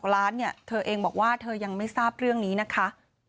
ล้านเนี่ยเธอเองบอกว่าเธอยังไม่ทราบเรื่องนี้นะคะ